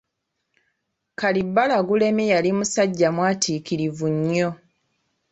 Kalibbala Gulemye yali musajja mwatiikirivu nnyo.